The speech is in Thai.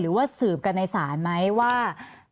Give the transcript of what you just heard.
หรือว่าสืบกันในศาลไหมว่า